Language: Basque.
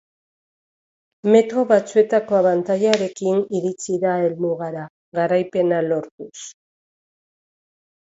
Metro batzuetako abantailarekin iritsi da helmugara, garaipena lortuz.